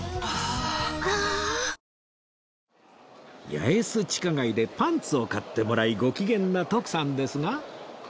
八重洲地下街でパンツを買ってもらいご機嫌な徳さんですが